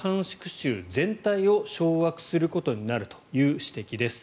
州全体を掌握することになるという指摘です。